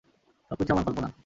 সবকিছুই আমার কল্পনা।